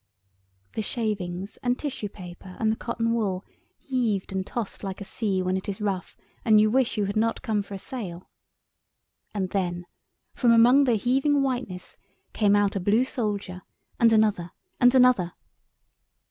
The shavings and tissue paper and the cotton wool heaved and tossed like a sea when it is rough and you wish you had not come for a sail. And then from among the heaving whiteness came out a blue soldier, and another and another.